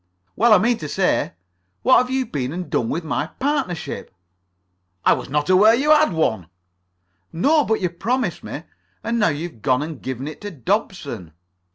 "Well, I mean to say, what have you been and done with my partnership?" "I was not aware that you had one." "No, but you promised me. And now you've gone and given it to Dobson."